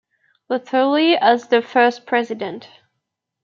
Luthuli as the first President.